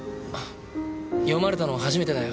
読まれたの初めてだよ。